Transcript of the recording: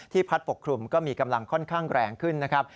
พัดปกคลุมก็มีกำลังค่อนข้างแรงขึ้นนะครับ